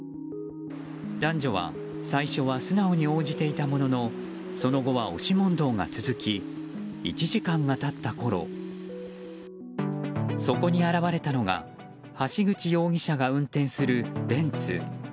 男女は最初は素直に応じていたもののその後は押し問答が続き１時間が経ったころそこに現れたのが橋口容疑者が運転するベンツ。